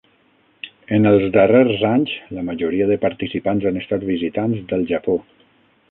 En els darrers anys, la majoria de participants han estat visitants del Japó.